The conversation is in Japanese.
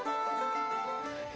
え